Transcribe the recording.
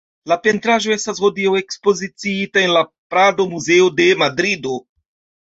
La pentraĵo estas hodiaŭ ekspoziciita en la Prado-Muzeo de Madrido.